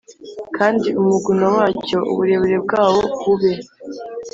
Kandi umuguno wacyo uburebure bwawo bube